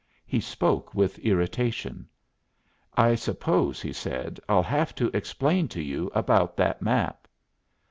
He spoke with irritation. "I suppose," he said, "I'll have to explain to you about that map."